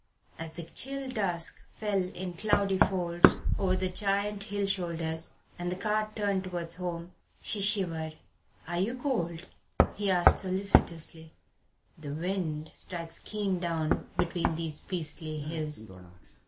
As the chill dusk fell in cloudy folds over the giant hill shoulders and the cart turned towards home, she shivered. "Are you cold?" he asked solicitously. "The wind strikes keen down between these beastly hills."